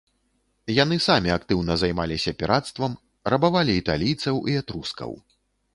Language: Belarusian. Яны самі актыўна займаліся пірацтвам, рабавалі італійцаў і этрускаў.